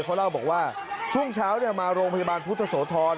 เขาเล่าบอกว่าช่วงเช้ามาโรงพยาบาลพุทธโสธร